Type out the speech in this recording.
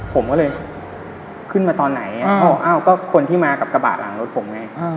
ผมก็เลยขึ้นมาตอนไหนอ้าวก็คนที่มากับกระบะหลังรถผมไง